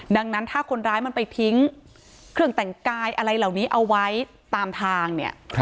ดังนั้นถ้าคนร้ายมันไปทิ้งเครื่องแต่งกายอะไรเหล่านี้เอาไว้ตามทางเนี่ย